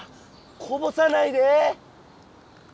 こぼさないで！